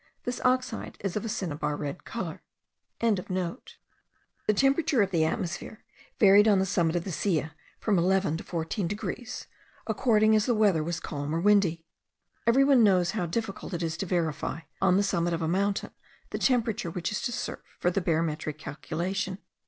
This oxide is of a cinnabar red colour.) The temperature of the atmosphere varied on the summit of the Silla from eleven to fourteen degrees, according as the weather was calm or windy. Every one knows how difficult it is to verify, on the summit of a mountain, the temperature, which is to serve for the barometric calculation.